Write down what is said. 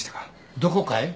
どこかへ？